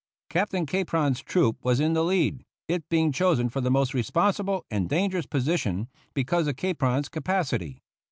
Captain Capron's troop was in the lead, it being chosen for the most responsible and dangerous position because of Capron's capacity.